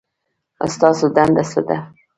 ستاسو دنده څه ده؟